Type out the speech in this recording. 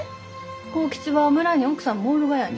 幸吉は村に奥さんもおるがやに。